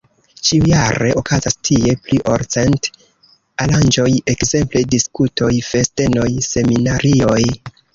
Ĉiujare okazas tie pli ol cent aranĝoj, ekzemple diskutoj, festenoj, seminarioj.